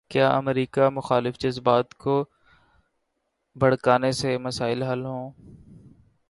کیا امریکہ مخالف جذبات کو بھڑکانے سے مسائل حل ہوں۔